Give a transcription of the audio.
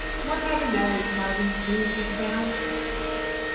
One never knows how these things get about!"